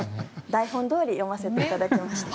台本どおり読ませていただきました。